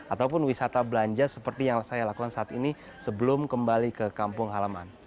ataupun wisata belanja seperti yang saya lakukan saat ini sebelum kembali ke kampung halaman